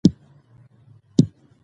ماشوم ډاډمن دی.